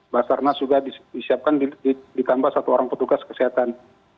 basarnas juga disiapkan ditambah satu orang petugas kesehatan